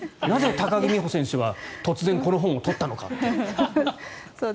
なぜ、高木美帆選手は突然、この本を取ったのかと。